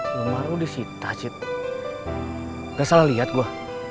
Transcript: lu maru disita cik gak salah lihat gua